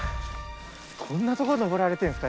こんなとこ登られてんすか？